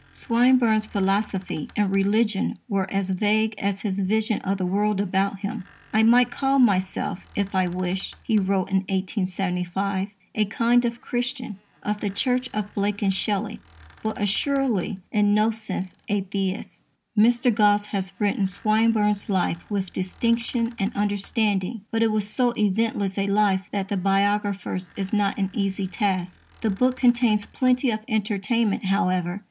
Swinburne's philosophy and religion were as vague as his vision of the world about him. "I might call myself, if I wished," he wrote in 1875, "a kind of Christian (of the Church of Blake and Shelley), but assuredly in no sense a Theist." Mr. Gosse has written Swinburne's life with distinction and understanding; but it was so eventless a life that the biographer's is not an easy task. The book contains plenty of entertainment, however.